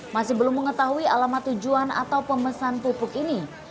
masih belum mengetahui alamat tujuan atau pemesan pupuk ini